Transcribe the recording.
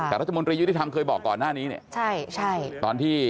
อาจารย์ชัชชาติ